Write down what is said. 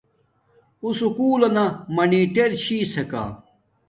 اُو سکُول لنا مانیٹر چھسکا